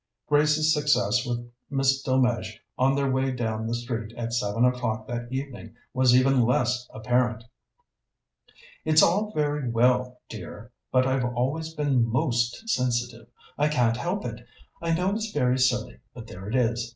Grace's success with Miss Delmege on their way down the street at seven o'clock that evening, was even less apparent. "It's all very well, dear, but I've always been most sensitive. I can't help it. I know it's very silly, but there it is.